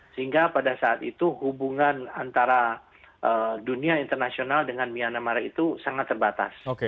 sehingga pada saat itu hubungan antara dunia internasional dengan myanmar itu sangat terbatas